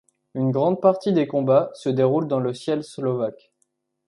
Une grande partie des combats se déroule dans le ciel slovaque.